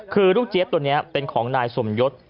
คือลูกเจี๊ยบตัวนี้เป็นของนายสมยศ